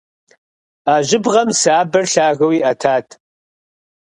А жьыбгъэм сабэр лъагэу иӏэтат.